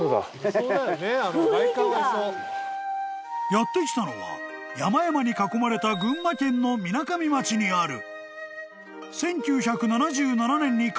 ［やって来たのは山々に囲まれた群馬県のみなかみ町にある］